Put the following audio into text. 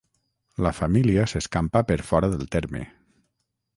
La família s'escampa per fora del terme.